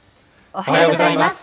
おはようございます。